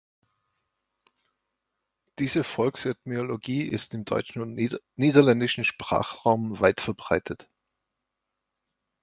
Diese Volksetymologie ist im deutschen und niederländischen Sprachraum weit verbreitet.